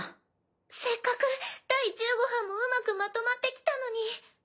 せっかく第十五班もうまくまとまってきたのに。